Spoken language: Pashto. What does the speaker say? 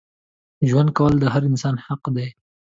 ژوند کول د هر انسان حق دی.